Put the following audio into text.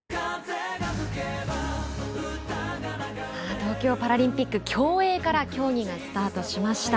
東京パラリンピック競泳から競技がスタートしました。